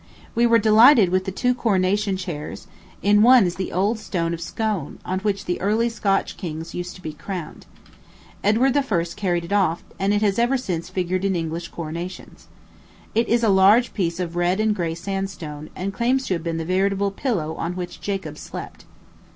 We were delighted with the two coronation chairs; in one is the old stone of Scone, on which the early Scotch kings used to be crowned. Edward I. carried it off, and it has ever since figured in English coronations. It is a large piece of red and gray sandstone, and claims to have been the veritable pillow on which Jacob slept.